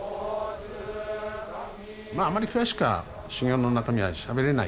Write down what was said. まああまり詳しくは修行の中身はしゃべれない。